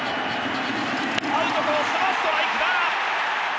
アウトコースはストライクだ！